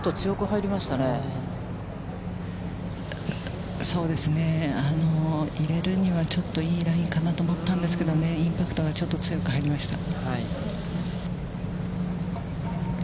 入れるには、ちょっといいラインかなと思ったんですけど、インパクトがちょっと強く入りました。